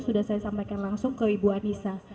sudah saya sampaikan langsung ke ibu anissa